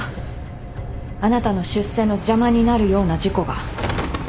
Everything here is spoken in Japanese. あなたの出世の邪魔になるような事故が。